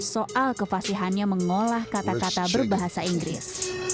soal kevasihannya mengolah kata kata berbahasa inggris